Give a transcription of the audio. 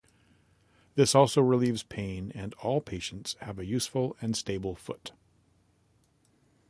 This also relieves pain, and all patients have a useful and stable foot.